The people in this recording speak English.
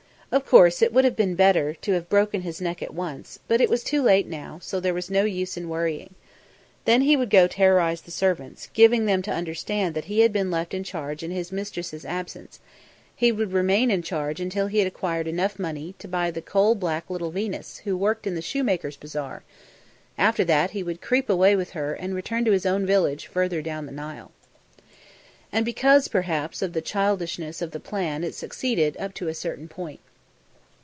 Of course it would have been better to have broken his neck at once, but it was too late now, so there was no use in worrying! Then he would go terrorise the servants, giving them to understand that he had been left in charge in his mistress's absence; he would remain in charge until he had acquired enough money to buy the coal black little Venus who worked in the Shoemakers Bazaar; after that he would creep away with her and return to his own village further down the Nile. And because, perhaps, of the childishness of the plan it succeeded up to a certain point.